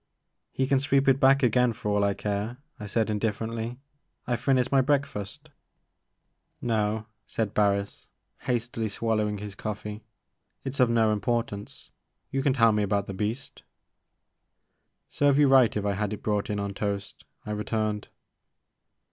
"He can sweep it back again for all I care,*' I said indifferently, '*I *ve finished my break fast.*' No," said Harris, hastily swallowing his coffee, it 's of no importance ; you can tell me about the beast "Serve you right if I had it brought in on toast," I returned.